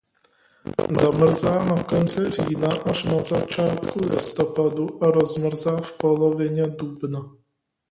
Zamrzá na konci října až na začátku listopadu a rozmrzá v polovině dubna.